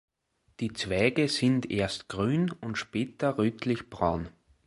Die Zweige sind erst grün und später rötlich braun.